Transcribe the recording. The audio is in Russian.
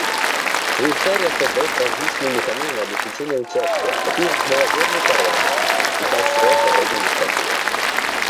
Швейцария создает различные механизмы обеспечения участия, такие как молодежные парламенты, и поощряет подобные инициативы.